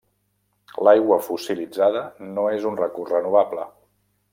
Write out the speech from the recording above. L'aigua fossilitzada no és un recurs renovable.